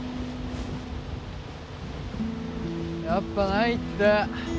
やっぱないって。